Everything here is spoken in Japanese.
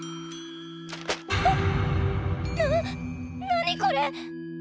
何これ！？